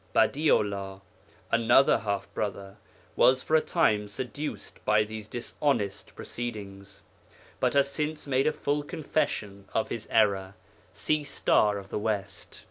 Badi 'ullah, another half brother, was for a time seduced by these dishonest proceedings, but has since made a full confession of his error (see Star of the West).